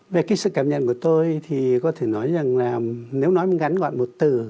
về cái sự cảm nhận của tôi thì có thể nói rằng là nếu nói ngắn gọi một từ